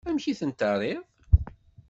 Amek i ten-terriḍ?